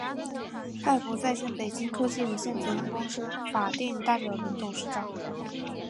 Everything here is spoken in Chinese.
派博在线（北京）科技有限责任公司法定代表人、董事长